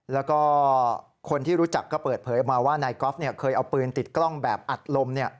แล้วก็คนที่รู้จักก็เปิดเผยออกมาว่านายกอล์ฟเคยเอาปืนติดกล้องแบบอัดลม